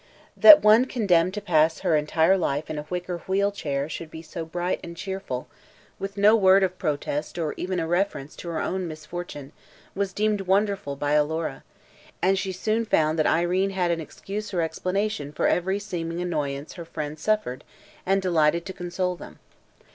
That one condemned to pass her entire life in a wicker wheel chair should be so bright and cheerful, with no word of protest or even a reference to her own misfortune, was deemed wonderful by Alora, and she soon found that Irene had an excuse or explanation for every seeming annoyance her friends suffered and delighted to console them.